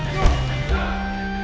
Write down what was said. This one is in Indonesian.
tau lo yan